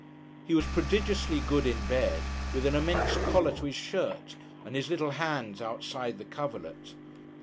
He was prodigiously good, in bed, with an immense collar to his shirt, and his little hands outside the coverlet.